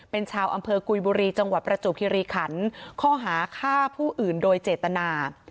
เป็นชาวอำเภอกุยบุรีจังหวัดประจวบคิริขันข้อหาฆ่าผู้อื่นโดยเจตนา